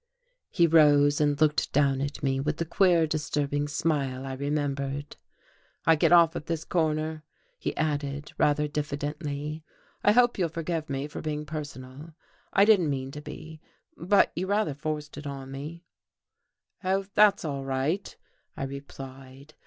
He rose and looked down at me with the queer, disturbing smile I remembered. "I get off at this corner," he added, rather diffidently. "I hope you'll forgive me for being personal. I didn't mean to be, but you rather forced it on me." "Oh, that's all right," I replied.